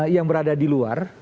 yang berada di luar